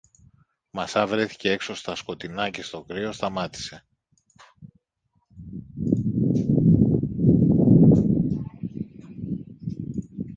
Μα σα βρέθηκε έξω, στα σκοτεινά και στο κρύο, σταμάτησε.